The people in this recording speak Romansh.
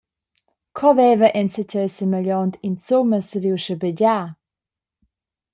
Co veva enzatgei semegliont insumma saviu schabegiar?